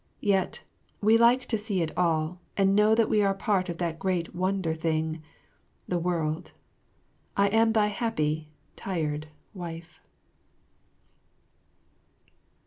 Yet we like to see it all, and know that we are part of that great wonder thing, the world. I am thy happy, tired, Wife.